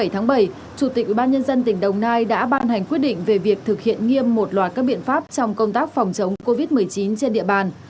bảy tháng bảy chủ tịch ubnd tỉnh đồng nai đã ban hành quyết định về việc thực hiện nghiêm một loạt các biện pháp trong công tác phòng chống covid một mươi chín trên địa bàn